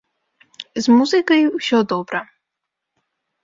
З музыкай усё добра.